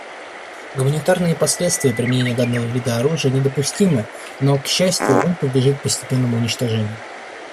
Гуманитарные последствия применения данного вида оружия недопустимы, но, к счастью, он подлежит постепенному уничтожению.